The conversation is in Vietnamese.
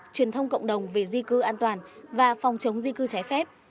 truyền thông cộng đồng về di cư an toàn và phòng chống di cư trái phép